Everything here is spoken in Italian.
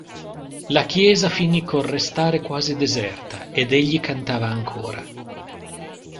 La chiesa finì col restare quasi deserta ed egli cantava ancora.